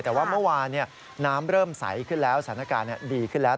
แต่ว่าเมื่อวานน้ำเริ่มใสขึ้นแล้วสถานการณ์ดีขึ้นแล้ว